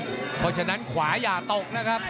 เพราะฉะนั้นขวาอย่าตกนะครับ